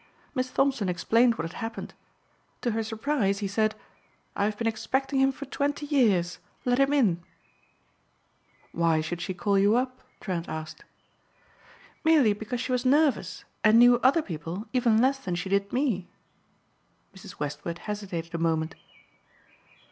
Miss Thompson explained what had happened. To her surprise he said, 'I have been expecting him for twenty years. Let him in.'" "Why should she call you up?" Trent asked. "Merely because she was nervous and knew other people even less than she did me." Mrs. Westward hesitated a moment.